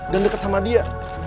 dan deket sama dia